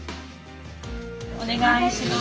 お願いします。